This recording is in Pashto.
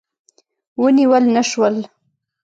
ونیول نه شول.